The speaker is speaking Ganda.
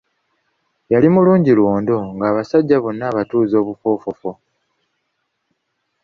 Yali mulungi lwondo nga abasajja bonna abatuuza obufoofofo.